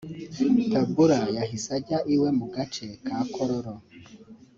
Tabura yahise ajya iwe mu gace ka Kololo